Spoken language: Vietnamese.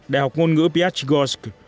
đại học ngôn ngữ piatchi goroshka